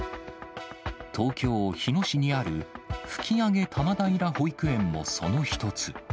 東京・日野市にある吹上多摩平保育園もその一つ。